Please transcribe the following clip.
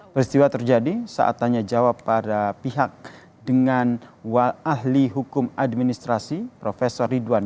peristiwa terjadi saat tanya jawab para pihak dengan wal ahli hukum administrasi prof ridwan